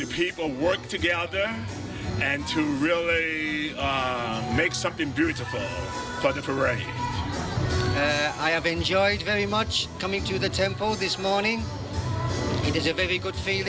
เพื่อให้คนเด็กสงสัยและการทำงาน